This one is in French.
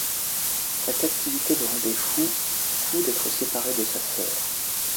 Sa captivité le rendait fou, fou d'être séparé de sa sœur.